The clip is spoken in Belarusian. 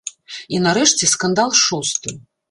І, нарэшце, скандал шосты.